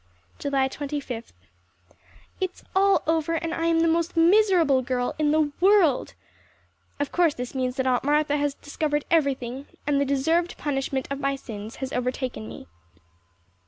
July Twenty fifth. It is all over, and I am the most miserable girl in the world. Of course this means that Aunt Martha has discovered everything and the deserved punishment of my sins has overtaken me.